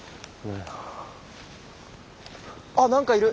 あ何かいる。